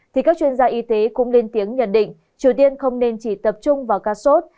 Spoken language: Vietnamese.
thì các chuyên gia y tế cũng lên tiếng nhận định triều tiên không nên chỉ tập trung vào ca sốt